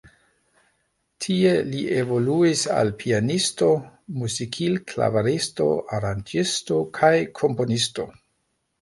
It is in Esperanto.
Tie li evoluis al pianisto, muzikil-klavaristo, aranĝisto kaj komponisto.